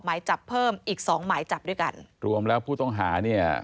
หมายจับเพิ่มอีกสองหมายจับด้วยกันรวมแล้วผู้ต้องหาเนี่ย